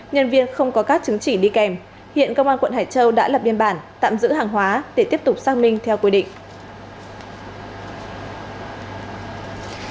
nhân viên không có các chứng chỉ đi kèm hiện công an quận hải châu đã lập biên bản tạm giữ hàng hóa để tiếp tục xác minh theo quy định